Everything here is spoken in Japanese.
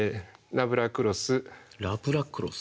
ナブラクロス。